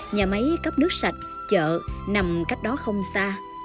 nhà máy cấp nước sạch chợ nằm cách đó không xa